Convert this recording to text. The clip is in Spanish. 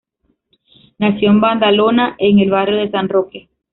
Nació en Badalona, en el barrio de San Roque.